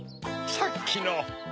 さっきの。